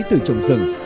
từ trồng rừng